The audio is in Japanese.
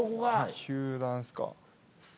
球団ですか。